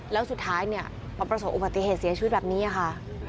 แล้วสุดท้ายเนี่ยมาประสบอุบัติเหตุเสียชีวิตแบบนี้ค่ะ